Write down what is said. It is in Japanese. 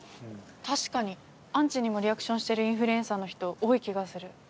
確かにアンチにもリアクションしてるインフルエンサーの人多い気がする。